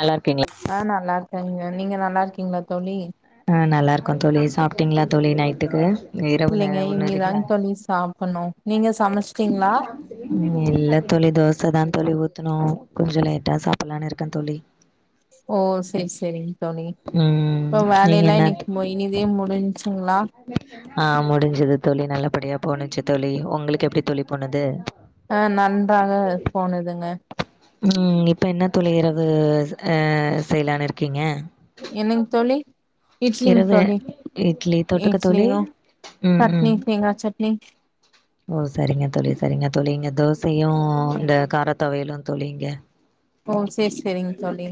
நல்லாருக்கீங்ளா நா நல்லாருக்கங்க நீங்க நல்லாருக்கீங்ளா தோழி அ நல்லாருக்கோந்தோழி சாப்ட்டீங்ளா தோழி நைட்டுக்கு இரவு ந இல்லிங்க உண்ணுறீங்களா இனிதாங்க தோழி சாப்பண்ணு நீங்க சமச்சுட்டீங்ளா ம் இல்ல தோழி தோசதா தோழி ஊத்துனு கொஞ்ச லேட்டா சாப்பலான்ருக்க தோழி ஓ செர் செரிங் தோழி ம் இப்ப நீங்க வேலயெல்லா இன்னிக் மு இனிதே முடிஞ்ச்சுங்ளா அ முடிஞ்சுது தொழி நல்லபடியா போணுச்சு தோழி ஒங்குளுக்கு எப்பிடி தோழி போனுது அ நன்றாக போனதுங்க ம் இப்ப என்ன தோழி இரவு அ செய்லான் இருக்கீங்க என்னங் தோழி இட்லிங் இரவு தோழி இட்லி தொட்டுக்க தோழி இட்லியு ம் சட்னி ம் தேங்காச்சட்னி ஓ சரிங்க தோழி சரிங்க தோழி இங்க தோசையு இந்த காரத் தொவையலு தோழி இங்க ஓ செர் செரிங் தோழி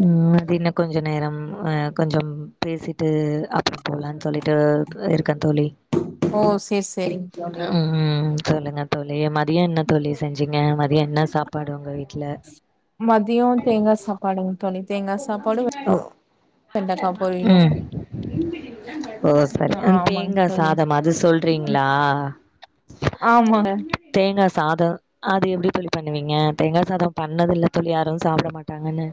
ம் து இன்னு கொஞ்ச நேரம் அ கொஞ்சம் பேசிட்டு அப்புறம் போலான் சொல்லிட்டு இருக்க தோழி ஓ செர் செரிங் தோழி ம் சொல்லுங்க தோழி மதிய என்ன தொழி செஞ்சிங்க மதிய என்ன சாப் பாடு ஒங்க வீட்ல மதியோ தேங்கா சாப்பாடுங் தோழி தேங்கா சாப்பாடு ஓ வெண்டக்கா பொரியிலு ம் ஓ சரி ஆமாங்க அந்தேங்கா தோழி சாதம் அது சொல்றீங்ளா ஆமாங்க தேங்கா சாதோ அது எப்பிடி தோழி பண்ணுவீங்க தேங்கா சாதம் பண்ணதுல்ல தோழி யாரு சாப்ட மாட்டாங்கன்னு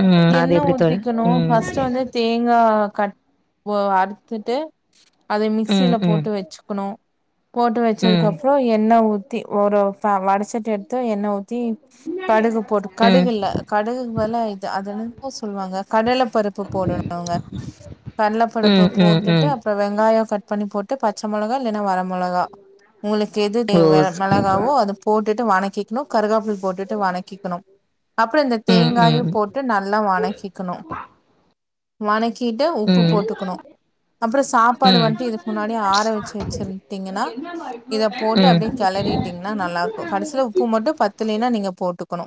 ம் அது எப்பிடி தோழி க்ணு ம் ஃபஸ்ட்டு வந்து தேங்கா கட் ஓ அறுத்துட்டு அதை ம் மிக்சில ம் போட்டு வச்சுக்கணு போட்டு ம் வச்சதுக்கப் றோ எண்ண ஊத்தி ஒரு ஒரு ஃப வடச்சட்டி எடுத் து எண்ண ஊத்தி கடுகு போட்டு ம் கடுகு இல்ல கடுகுக்கு பதுலா இது அது என்னெனமோ சொல்லுவாங்க கடல பருப் பு போடணுங்க கடல படுப்பு ம் ம் போட்டுட்டு ம் அப் ப வெங்காயம் கட் பண்ணி போட்டு பச்ச மொளகா இல்லேனா வர மொளகா ஒங்குளுக்கு எது ஓ தேவ வே ஸ் மெளகாவோ அது போட்டுட்டு வனக்கிக்கணு கருகாப்புள் போட் டுட்டு வனக்கிக்குணும் அப்புறோந்த ம் ம் தேங்காயு போட் டு நல்லா வனக்கிக்கணு வனக்கிட்டு ம் உப்பு ம் போட்டுக்கணு அப்புற சாப்பாடு ம் வன்ட்டு இதுக் முன்னாடி ஆற வெச்சு வெச்சிருந்துட்டீங்கன்னா இத போட்டு அப்பிடியே கெளறிட்டீங்னா நல்லாருக்கு கடசில உப்பு மட்டும் பத்தலேனா நீங்க போட்டுக்கணு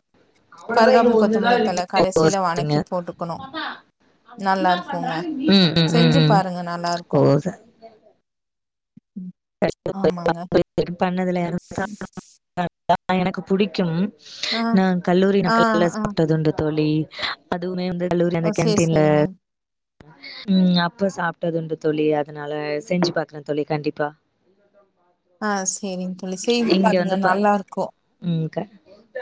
கருகாப்பிள் கொத்தமல்லி தழ கடைசில ஒஸ்டுங்க வணக்கி போட்டுக்கணு நல்லா இருக்குங்க ம் ம் ம் ம் ஓ ச ம் ஆமாங்க சரி பண்ணதுல [inaudible] எனக்கு புடிக்கு ஆ நா கல்லூரி ஆ நாட்கள்ல ஆ சாப்ட்டதுண்டு தோழி அதுவுமே வந்து கல்லூரி ஓ அந்த சேரி கேன்ட்டீன்ல சேரிங்க. ம் அப்ப சாப்ட்டதுண்டு தோழி அதுனால செஞ்சு பாக்குறன் தோழி கண்டிப்பா ஆ செரிங்க தோழி செய்து இங்க பாருங்க வந்து பா நல்லா இருக்கு ம் க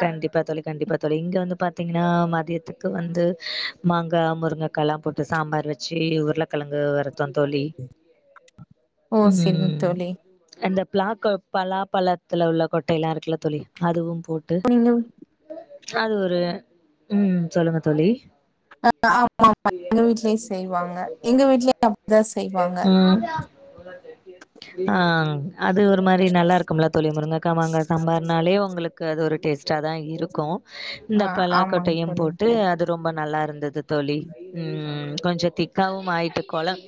கண்டிப்பா தோழி கண்டிப்பா தோழி இங்க வந்து பாத்தீங்கன்னா மதியத்துக்கு வந்து மாங்கா முருங்கக்கால்லா போட்டு சாம்பார் வச்சு உருளக்கெழங்கு வரத்த தோழி ஓ செரிங்க ம் தோழி அந்த பிளாக்க பலா பழத்துல உள்ள கொட்டைல்லா இருக்குல்ல தோழி அதுவு போட்டு பண்ணிங்கோ அது ஒரு ம் சொல்லுங்க தோழி ஆமாமா எங்க வீட்லயு செய்வாங்க. எங்க வீட்லயு அப்டிதா செய்வாங்க. ம் ஆ அது ஒரு மாரி நல்லா இருக் கம்பலா தோழி முருங்கைக்கா மாங்கா சாம்பார்னாலே உங்களுக்கு அது ஒரு டேஸ்ட்டா தா இருக்கு இந்த ஆ பலா ஆமாங்க கொட்டையு தோழி. போட்டு அது ரொம் ரொம்ப நல்லா இருந்தது தோழி ம் கொஞ்ச திக்காவு ஆயிட்டு கொழம்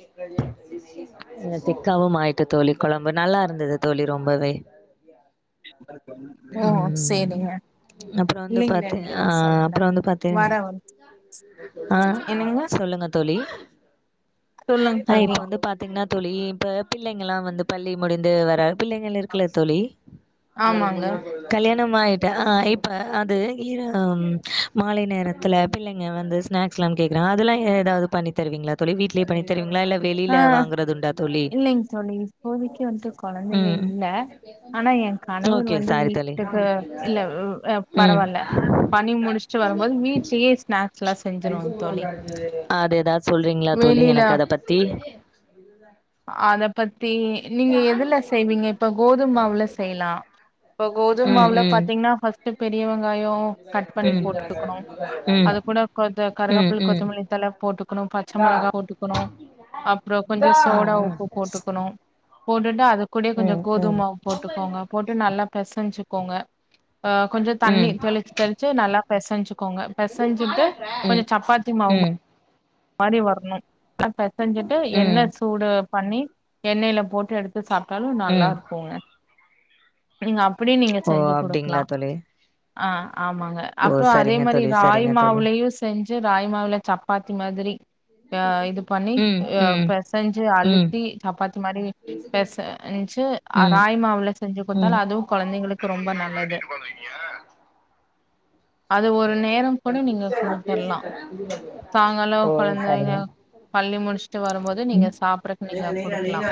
திக்காவு ஆயிட்டு தோழி கொழம்பு நல்லா இருந்தது தோழி ரொம்பவே ஓ செரிங்க அப்ற வந்து பாத்தி ஆ அப்பற வந்து பாத்தே வர ஆ என்னங்க சொல்லுங்க தோழி சொல்லுங்க அ இப்ப தோழி. வந்து பாத்தீங்கன்னா தோழி இப்ப பிள்ளைங்கலா வந்து பள்ளி முடிந்து வர பிள்ளைங்கள் இருக்குல்ல தோழி ஆமாங்க. கல்யாணம் ஆயிட்ட ஆ இப்ப அது இது மால நேரத்தில பிள்ளைங்க வந்து ஸ்நாக் லாம் கேக்குறா அதெல்லா எதாது பண்ணி தருவீங்களா தோழி வீடலய பண்ணி தருவிங்களா இல்ல ஆ வெளில வாங்கறதுண்டா தோழி இல்லைங்க தோழி இப்போதைக்கு வந்துட்டு கொழந்தைங்க ம் இல்ல ஆனா என் கணவரு ஓகே வந்து சாரி தோழி வீட்டுக்கு இல்ல வ் அ ம் பரவால பணி முடிச்சுட்டு வரும்போது வீட்லயே ஸ்நாக்ஸ்லா செஞ்சருவாங்க தோழி அது எதாது சொல்றீங்களா தோழி வெளில எனக்கு அத பத்தி அத பத்தி நீங்க எதுல செய்வீங்க இப்ப கோதும மாவுல செய்லா இபோ ம் கோதுமாவுல ம் பாத்தீங்கன்னா ஃபஸ்ட்டு பெரிய வெங்காயோ கட் பண்ணி ம் ம் போட்டுக்கணு ம் ம் அது கூட கொஞ்ச ம் ம் ம் ம் கருகாப்பில் ம் கொத்தமல்லி தல போட்டுக்கணு பச்சை மெளகா போட்டுக்கணு அப்பற கொஞ்ச சோடா உப்பு போட்டுக்கணு போட்டுட்டு அது கூட கொஞ்ச கோதுமாவ் போட்டுக்கோங்க போட்டு நல்லா பெசஞ்சுக்கோங்க ஆ கொஞ்ச தண்ணி தெளிச் தெளிச்சு நல்லா பெசஞ்சுக்கோங்க பெசஞ்சுட்டு கொஞ்ச சப்பாத்தி ம் மாவு ம் மாரி வரணு அதல்லா பெசஞ்சிட்டு எண்ணெ ம் சூடு பண்ணி எண்ணெயில போட்டு எடுத் து சாப்ட்டாலு நல்லா ம் இருக்கும்ங்க எங்கப் இப்டியு நீங்க ஓ செஞ்சு குடுக்கலா அப்டிங்களா தோழி ஆ ஆமாங்க ஓ அப்ற அதே சரிங்க மாரி தோழி ராகி சரிங்க தோழி மாவுலயு செஞ்சு ராகி மாவுல சப்பாத்தி மாதிரி அ இது பண்ணி ம் அ ம் பெசைஞ்சு ம் அழுத்தி சப்பாத்தி மாரி பெசஞ்சு அ ம் ராகி மாவுல செஞ்சு ம் குடுத்தாலு அதுவு குழந்தைங்களுக் கு ரொம்ப நல்லது அது ஒரு நேரம் கூட நீங்க குடுத்திற்லா [inaudible] சாய்ங்காலோ ஓ கொழந்தைங்கள் சரிங்க பள்ளி முடிச்சுட்டு வரும்போது நீங்க சாப்பிற்றதிக்கு நீங்க குடுக்கலாம்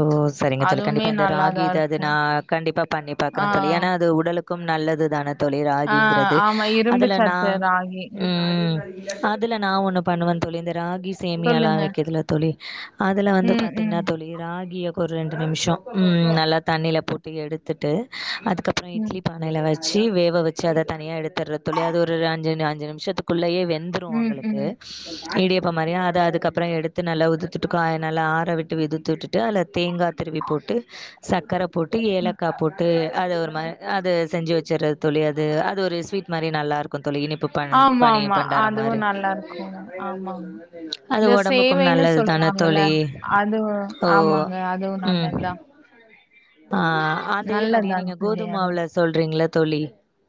ஓ செரிங்க தோழி அதுவுமே கண்டிப்பா இந்த ராகி நல்லாதா இத அது இருக்கு நா கண்டிப்பா பண்ணி ஆ பாக்குறே தோழி ஏனா அது உடலுக் க்கும் நல்லதுதான தோழி ஆ ராகிங்கிறது ஆமா இரும்பு அதுல நான் சத்து ராகி ம் அதுல நா ஒண்ணு பண்ணுவே தோழி இந்த ராகி சேமியால்லா சொல்லுங்க விக்குதுல தோழி அதில வந்து ம் பாத்தீங்கன்னா ம் தோழி ராகிய ஒரு ரெண்டு நிமிஷோ ம் நல்லா தண்ணில போட்டு எடுத்துட்டு அதுக்கப்றோ ம் இட்லி பாத் எண்ணெய்ல வச்சு வேவ வச்சு அத தனியா எடுத்துடுற தோழி அது ஒரு அஞ்சு அஞ்சு நிமிஷத்துக்குள்ளயே வெந் தந்துருவோ ம் உங்களுக்கு ம் இடியப்ப மாறி அத அதுக்கப்றோ எடுத்து நல்லா உதுத்துட்டு அத நல்ல ஆற விட்டு விதுத்துட்டு அதுல தேங்க துருவி போட்டு சர்க்கர போட்டு ம் ஏலக்கா போட் அது ஒரு மாறி அது செஞ்சு வச்சறது தோழி அது அது ஒரு ஸ்வீட் மாறி நல்லா இருக்கு தோழி இனிப்பு ப ஆமா பணி ஆமா பண்டாறோ அதுவு மாரி நல்லா இருக்குங்க ஆமா ஆமா. அது இந்த உடம்புக்கு சேவைன்னு நல்லது தானே சொல்லுவாங்கல்ல தோழி அது ஓ ஆமாங்க அதுவு ம் நல்லதுதா ஆ அதே மாறியே நல்லதுதான் நீங்க தோழி கோதும அதுவு மாவுல சொல்றீங்கள தோழி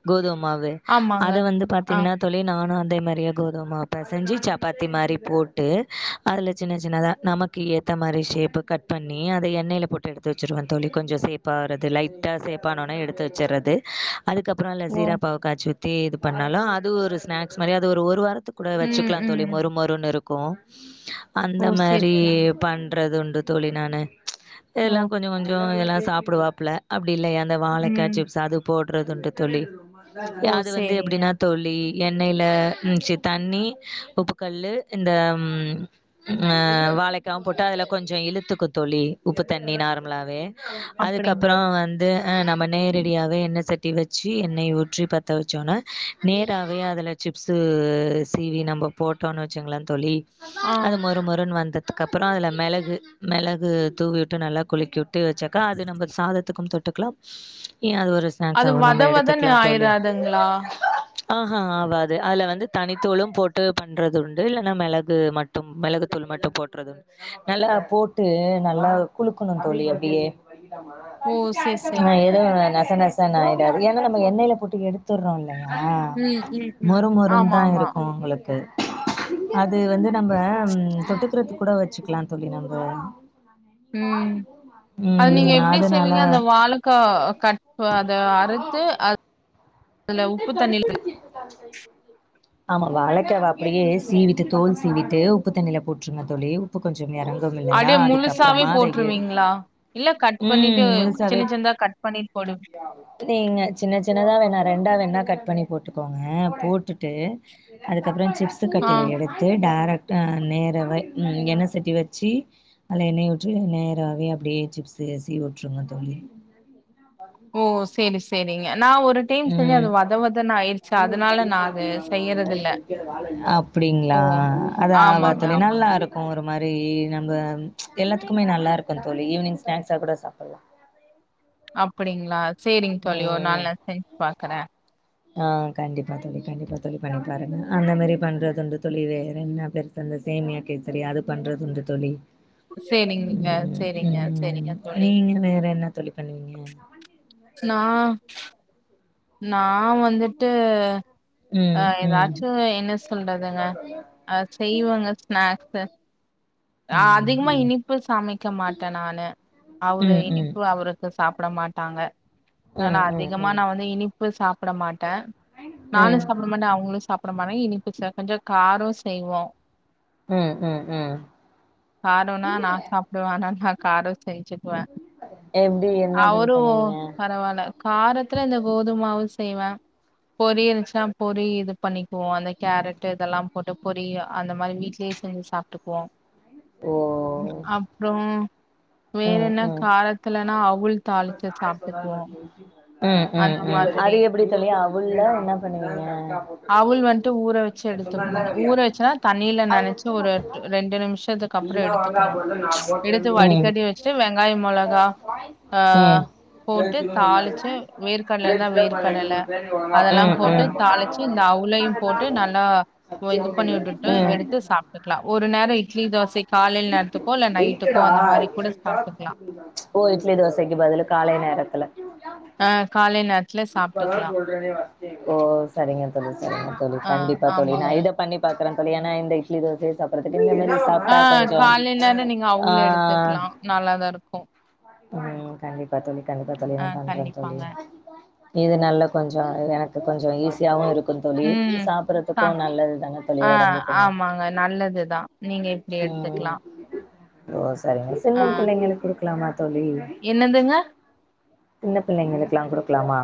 கோதும மாவு ஆமாங்க அத வந்து ஆ பாத்தீங்கனா தோழி நானு அதே மாறியே கோதும மாவு பெசஞ்சு சப்பாத்தி மாறி போட்டு அதுல சின்ன சின்னதா நமக்கு ஏத்த மாறி ஷேப்பு கட் பண்ணி அத எண்ணெயில போட்டு எடுத்து வச்சுருவே தோழி கொஞ்சோ சேஃப்பாறது லைட்டா சேஃப்பானோனே எடுத்து வச்சிடுறது அதுக்கப்றோ அதுல ஓ ஜீரா பாகு காய்ச்சி உத்தி இது பண்ணாலு அது ஒரு ஸ்நாக்ஸ் மாறி அது ஒரு வாரத்துக்கு கூட ம் வச்சுக்கலா தோழி ம் மொறு மொறுன்னு இருக்கு இருக்கு ஓ அந்த சேரி மாறி சேரி பண்றது உண்டு தோழி நானு ச் ஓ இதெல்லா கொஞ்சோ கொஞ்சோ இதெல்லா சாப்படுவாப்ல அப்டி இல்லையா அந்த வாழைக்காய் ம் சிப்ஸ் அது போட்றதுண்டு தோழி ஓ அது வந்து சேரிங்க எப்டின்னா தோழி எண்ணெய்ல ம்ச்சி தண்ணி உப்பு கல்லு இந்த ம் வாழைக்காவு போட்டு அதுல கொஞ்சோ இழுத்துக்கு தோழி உப்பு தண்ணி நார்ம லாவே அதுக்கப்பறோ அப்படிங்களா வந்து அ நம்ம நேரடியாவே எண்ணெய் சட்டி வச்சு எண்ணெய் ஊற்றி பத்த வச்சோனே நேராவே அதுல சிப்ஸு சீவி நம்ம போட்டோன்னு வச்சோங்களே தோழி ஆ அது மொறு மொறுன்னு வந்ததுக்கு அப்பறோ அதுல மெளகு மெளகு தூவிவிட்டு நல்லா குளிக்கி விட் விட்டு வச்சாக்கா அது நம்ம சாதத்துக்கு தொட்டுக்கலா ஏ அது ஒரு அது ஸ்நாக்ஸாவு வத நம்ம வதன்னு எடுத்துக்கலா தோழி ஆயிராதுங்களா ஆஹ ஆவாது அதுல வந்து தனித்தூளு போட்டு பண்றது உண்டு இல்லன்னா மெளகு மட்டு மெளகுத்தூள் மட்டு போட்டுறது நல்லா போட்டு நல்லா குளு க்கணு தோழி அப்படியே ஓ சேரி நா சேரிங்க எதுவு நசநச நசநசனு ஆயிடு ஏன்னா நம்ம எண்ணெயில போட்டு எடுத்துறோம்ல்ல இல்லயா ம் ம் ம் மொறு மொறுனு ஆமா தா ஆமா இருக்கு உங்களுக்கு அது வந்து நம்ம தொட்டுக்கறது கூட வச்சுக்கலா தோழி நம்ம ம் அது நீங்க ம் எப்டி அதனால செய்வீங்க அந்த வாழ க்கா கட் அத அறுத்து அ என்ட்ட கட்டுப்படுத்தியது இருக்காத தயவு செஞ்சி [unintelligible] ஆமா வாழக்காவ அப்டியே சீவிட்டு தோல் சீவிட்டு உப்பு தண்ணியில போட்டுருங்க தோழி கொஞ்சம் இறங்கும் இல்லையா அப்டியே முழுசாவே அதுக்கப்புறமா அத எடு போட்டுருவீங்களா இல்ல கட் பண்ணிட்டு ம் முழுசாவே சின்ன சின்னதா கட் பண்ணி போடு நீங்க சின்ன சின்னதா வேணா ரெண்டா வேணா கட் பண்ணி போட்டுக்கோங்க போட்டுட்டு அதுக்கப்பறோ சிப்ஸ் ஆ கட்டய எடுத் து டேரக்ட்டா நேராவே எண்ண சட்டிய வெச்சி அதுல எண்ணெய ஊற்றி நேராவே அப்டியே சிப்ஸு சிவி வுட்டுருங்க தோழி ஓ சேரி சேரிங்க நா ஒரு டைம் செஞ்சு ம் அது வத வதன்னு ஆயிருச்சு அதனால நா அது செய்யறதில்ல அப் டீங்குளா ஓ அது ஆமாங்க ஆவாத்துலனா நல்லா ஆமாங்க இருக் ஒரு மாறி நம்ம எல்லாத்துக்குமே நல்லா இருக்கோ தோழி ஈவினிங் ஸ்நாக்ஸா கூட சாப்புட்லா அப்புடிங்களா சேரிங்க தோழி ஒரு ம் நாள் ம் நா செஞ்சு பாக்குறே ஆ கண்டிப்பா தோழி கண்டிப்பா தோழி பண்ணி பாருங்க அந்த மாறி பண்றதுண்டு தோழி வேற என்ன பெரு அந்த சேமியா கேசரி அது பண்றதுண்டு தோழி சேரிங்க ம், சேரிங்க செரிங்க ம். தோழி நீங்க வேற என்ன தோழி பண்ணுவீங்க நா நா வந்துட்டு ஆ ம், ம். எதாச்சோ என்ன சொல்றதுங்க அ செய்வேங்க ஸ்நாக்ஸு ஆ ம், அதிகமா ம். இனிப்பு சமைக்க மாட்டே நானு அவுரு ம், ம். இனிப்பு அவுரு பு சாப்ட மாட்டாங்க ம், நா ம், அதிகமா ம். நா வந்து இனிப்பு சாப்ட மாட்டே நானோ ம். சாப்ட மாட்டே அவுங்குளோ சாப்ட மாட்டோ இனிப்பு சே கொஞ்சோ காரோ செய்வோ உம் உம் உம் காரோனா நா சாப்புடுவே ஆனால நா காரோ சேஞ்சுக்குவ எப்டி என்னதுன்னு பண்ணுவீங்க பரவாலே காரத்துல இந்த கோதுமாவு செய்வே பொறி இருந்துச்சுன்னா பொறி இது பண்ணிக்குவோ அந்த கேரட் இதெல்லா போட்டு பொறி அந்த மாரி வீட்லயே செஞ்ச் சாப்ட்டுப்போ ஓ! அப்புறோ வேற ம், என்ன ம். காரத்துலன்னா தாளிச்சி சாப்ட்டுக்குவோ உம் உம் உம் அது எப்டி தோழி அவுல்ல என்ன பண்ணுவீங்க அவுல் வன்ட்டு ஊற வெச்சி எடுத்துக்குணோ ஊற வெச்ச தண்ணீல அது நனைச்சி வந்து ஒரு மட்டுந்தா டு ரெண்டு நிம்ஷத்து க்கப்பறோ நீதா வாங்கா எடுத்துக்குணோ போடுற நா எடுத்து போட்டேன்னு ம் வடிகட்டி வெச் ஃபர்ஸ்ட்டு வெங்காயோ மொளகா ஆ ம் போட்டு தாளிச்சி வேர்க்கடல இருந்தா கேர்ள்ஸ்ல ப ரெண்டு வேர்க்கடல மூணு பேரு ஒழுங்கா அதெல்லா ம் போட்டு ம் தாளிச் சி இந்த அவுலயோ போட்டு ம் நல்லா இது பண்ணி வுட்டுட்டு எடுத்து சாப் ட்டுக்குலா ஒரு நேரோ இட்லி தோச காலையில நேரத்துக்கோ இல்ல நைட்டுக்கோ அந்த மாதிரி கூட சாப்ட்டுக்குலா ஓ இட்லி தோசைக்கு பதிலு காலை நேரத்துல ஆ காலை நேரத்துல சாப்ட்டுக்கலாம். ஓ சரிங்க தோழி சரிங்க தோழி ஆ கண்டிப்பா தோழி நா ஆமாங்க. இத பண்ணி பாக்குற தோழி ஏன்னா இந்த இட்லி தோச சாப்பறத்துக்கு மேரி ஆ சாப்ட்டா கொஞ்சோ காலை நேரோ நீங்க ஆ அவுலு எடுத்துக்குலா நல்லாதா இருக்கோ ம் கண்டிப்பா தோழி கண்டிப்பா தோழி நா பண்றே தோழி கண்டிப்பாங்க. இது நல்லா கொஞ்சோ எனக்கு கொஞ்சோ ஈஸியாவோ இருக் கோ தோழி இது ம். ஆ சாப்புறதுக்கோ நல்லது தானே தோழி ஆ ஒடம்புக்குமே ஆமாங்க. நல்லதுதான். நீங்க இப்டி உம் எடுத்துக்கலாம். ஓ செரிங்க சின்ன பிள்ளைங்களுக்கு குடுக்கலாமா தோழி என்னந்துங்க சின்ன பிள்ளைங்களுக்குல்லா குடுக்கலாமா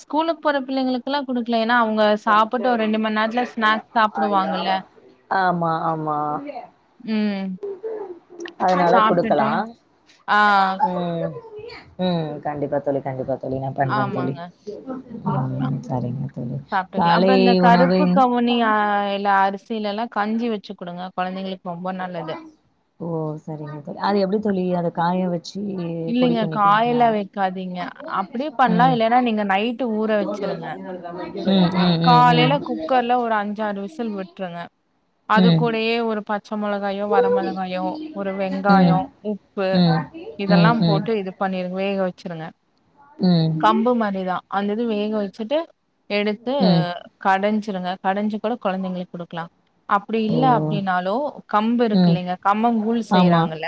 ஸ்கூலுக்கு போற பிள்ளைகளுக் குல்லா குடுக்கலா ஏனா அவுங்க முட்டை சாப்ட்டு ஒரு ரெண்டு முட்ட மண்நேரத்துல முட்டை ஸ்நாக்ஸ் ஆயா சாப்டுவாங்கல்ல ஆமா ஆமா ம். அதனால குடுக்கலா சாப்ட்டுட்டோம். ஆ ம் ம் கண்டிப்பா தோழி கண்டிப்பா இல்லின்னா பண்ற தோழி ஆமாங்க. ஆ குடுக்கலாம். சரிங்க தோழி காலை உணவு ஆ எல்லா அரிசியிலெல்லா கஞ்சி வச்சி குடுங்க கொழந்தைங்களுக்கு ரொம்ப நல்லது ஓ சரிங்க தோழி அது எப்டி தோழி அத காய வச் இல்லைங்க காயலா வைக்காதீங்க அப்டே பண்ணலா ம் இல்லன்னா நீங்க நைட் நைட்டு ஊற ம் வச்சிருங்க ம் ம் ம் காலையில குக்கர்ல ஒரு அஞ்சாறு விசில் விட்டுருங்க அது கூடயே ஒரு பச்ச மொளகாயோ வர மிளகாயோ ஒரு ம் வெங்காயோ ம் உப்பு ம் இதெல்லா ம் போட்டு இது பண்ணிரு வேக வச்சிருங்க ம் கம்பு மாரிதா அந்த இது வேக வச்சுட்டு எடுத்து ம் கடஞ்சிருங்க கடஞ்சி கூட கொழந்தைங்களுக்கு குடுக்லா அப்டி ஓ இல்ல அப்டின்னாலோ கம்பு ம் இருக்குல்லைங்க கம்பங் கூழ் ஆமா செய்றாங்கல்ல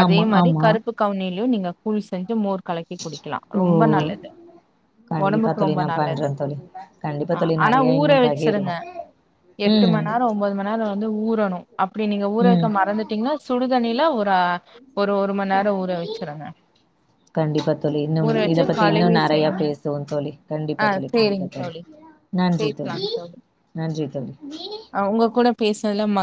ஆமா ஆமா உப்பு கவுனிலயு நீங்க கூழ் செஞ்சு மோர் கலக்கி குடிக்கலா ஓ! ரொம்ப நல்லது கண்டிப்பா ஒடம்புக்கு தோழி ரொம்ப நான் நல்லது பண்றேன் தோழி. கண்டிப்பா அ தோழி ஆனா நெறைய ஊர இன்னும் வச்சிருங்க பகிருவோம். எட்டு ம். மண் நேரோ ஒம்பது மண் நேரோ ந்து ஊறனோ அப்டி நீங்க ஊற ம். வெக்க மறந்துட்டீங்ன்னா சுடுதண்ணியில ஒர ஒரு மண் நே ரோ ஊற வெச்சிருங்க கண்டிப்பா தோழி இன்னும் இத பத்தி இன்னு கழுவி நெறைய செய்ங்க. பேசுவோ தோழி கண்டிப்பா ஆ தோழி கண்டிப்பா சரிங்க தோழி நன்றி தோழி நன்றி தோழி அ உங்க கூட பேசுனதுல மக்